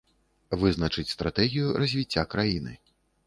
Вызначыць стратэгію развіцця краіны.